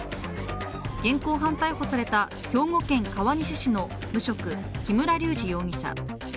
現行犯逮捕された兵庫県川西市の無職・木村隆二容疑者。